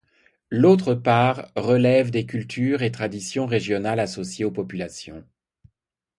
L'autre part relève des cultures et traditions régionales associées aux populations.